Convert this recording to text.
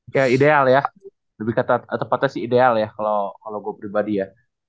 ya ideal ya lebih ketat tepatnya sih ideal ya kalau gue pribadi ya